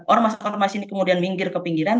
ormas ormas ini kemudian minggir ke pinggiran